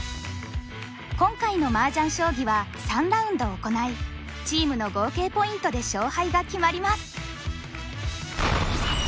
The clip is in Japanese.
今回のマージャン将棋は３ラウンド行いチームの合計ポイントで勝敗が決まります！